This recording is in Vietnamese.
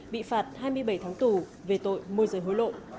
bị phạt hai mươi bảy tháng tù về tội môi rời hối lộ